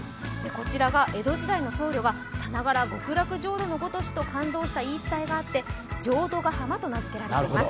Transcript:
こちらが江戸時代の僧侶が、「さながら極楽浄土のごとし」と感動した言い伝えたがあって浄土ヶ浜と名付けられています。